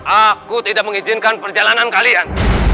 aku tidak mengizinkan perjalanan kalian